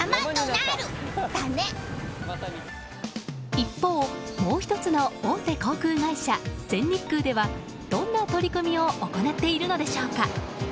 一方、もう１つの大手航空会社全日空ではどんな取り組みを行っているのでしょうか。